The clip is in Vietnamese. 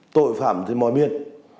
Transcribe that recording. tội phạm thì mòi miên